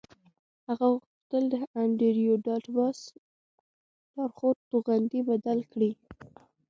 هغه غوښتل د انډریو ډاټ باس لارښود توغندی بدل کړي